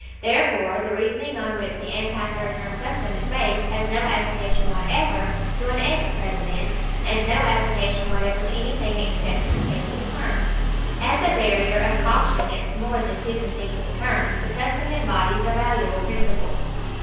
Therefore the reasoning on which the anti third term custom is based has no application whatever to an ex President, and no application whatever to anything except consecutive terms. As a barrier of precaution against more than two consecutive terms the custom embodies a valuable principle.